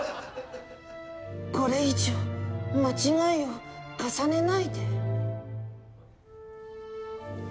これ以上間違いを重ねないで。